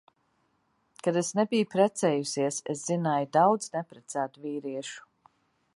Kad es nebiju precējusies, es zināju daudz neprecētu vīriešu.